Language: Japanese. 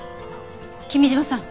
君嶋さん